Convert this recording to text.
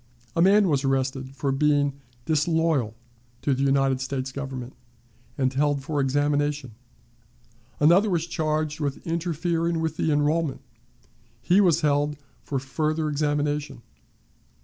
A man was arrested for being "disloyal" to the United States Government, and held for examination. Another was charged with interfering with the enrollment; he was held for further examination.